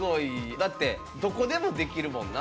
だってどこでもできるもんな？